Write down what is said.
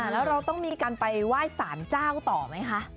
แล้วเราต้องมีการไปไหว้สารเจ้าต่อไหมคะ